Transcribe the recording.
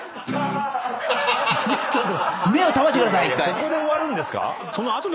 そこで終わるんですか？